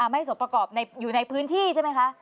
ไม่สมประกอบอยู่ในพื้นที่ใช่ไหมคะ